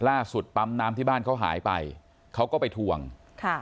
ปั๊มน้ำที่บ้านเขาหายไปเขาก็ไปทวงค่ะ